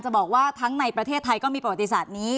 บอกว่าทั้งในประเทศไทยก็มีประวัติศาสตร์นี้